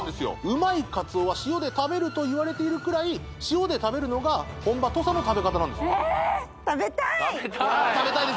うまい鰹は塩で食べると言われているくらい塩で食べるのが本場土佐の食べ方なんですよ食べたい！